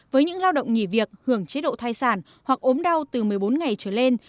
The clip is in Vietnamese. với những lao động nghỉ việc hưởng chế độ thai sản hoặc ốm đau từ một mươi bốn ngày trở lên